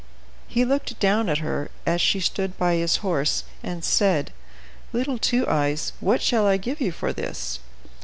He looked down at her as she stood by his horse, and said: "Little Two Eyes, what shall I give you for this?"